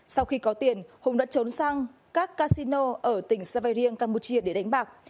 sau khi có tiền hùng đã trốn sang các casino ở tỉnh savarien campuchia để đánh bạc